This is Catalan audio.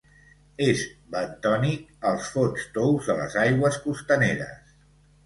És bentònic als fons tous de les aigües costaneres.